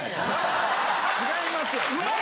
違いますよ。